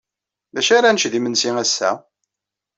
D acu ara nečč d imensi ass-a?